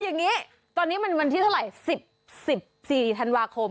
อย่างนี้ตอนนี้มันวันที่เท่าไหร่๑๐๑๔ธันวาคม